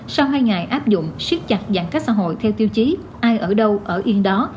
sau hai ngày áp dụng siết chặt giãn cách xã hội theo tiêu chí ai ở đâu ở yên đó